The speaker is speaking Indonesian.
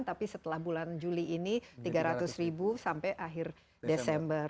tapi setelah bulan juli ini tiga ratus ribu sampai akhir desember